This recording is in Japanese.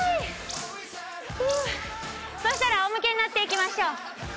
そしたらあお向けになっていきましょう。